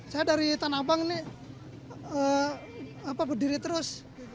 saya dari tanah abang ini berdiri terus